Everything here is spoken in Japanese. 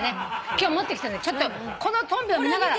今日持ってきたのでちょっとこのトンビを見ながら。